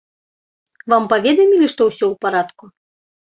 Вам паведамілі, што ўсё ў парадку?